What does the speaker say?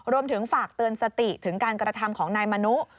รวมถึงฝากเตือนสติถึงการกระทำของนายมนุ